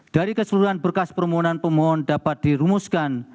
dari keseluruhan berkas permohonan pemohon dapat dirumuskan